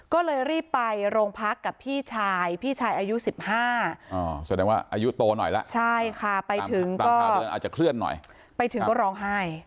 ก็เลยรีบไปโรงพักกับพี่ชายพี่ชายอายุ๑๕แสดงว่าอายุโตหน่อยแล้วใช่ค่ะไปถึงตอน๕เดือนอาจจะเคลื่อนหน่อยไปถึงก็ร้องไห้